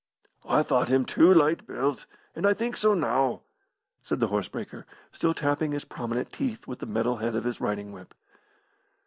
"I thought him too light built, and I think so now," said the horse breaker, still tapping his prominent teeth with the metal head of his riding whip.